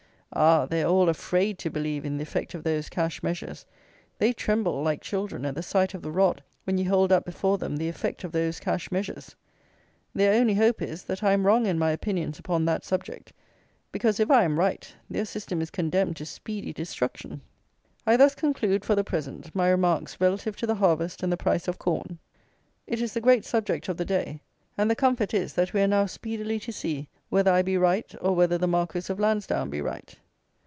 Ah! they are all afraid to believe in the effect of those cash measures: they tremble like children at the sight of the rod, when you hold up before them the effect of those cash measures. Their only hope, is, that I am wrong in my opinions upon that subject; because, if I am right, their System is condemned to speedy destruction! I thus conclude, for the present, my remarks relative to the harvest and the price of corn. It is the great subject of the day; and the comfort is, that we are now speedily to see whether I be right or whether the Marquis of Lansdowne be right.